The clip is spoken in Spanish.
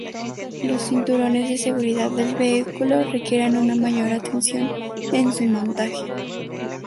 Los cinturones de seguridad del vehículo, requieren una mayor atención en su montaje.